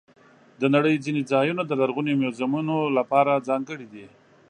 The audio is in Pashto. د نړۍ ځینې ځایونه د لرغوني میوزیمونو لپاره ځانګړي دي.